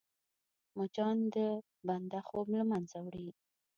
مچان د بنده خوب له منځه وړي